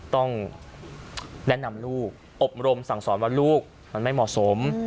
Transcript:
ต้องแนะนำลูกอบรมสั่งสอนว่าลูกมันไม่เหมาะสม